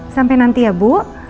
sampai nanti ya bu